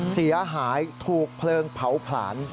เสียหายถูกเพลิงเผาผลาญ